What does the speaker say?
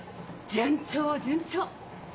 順調順調！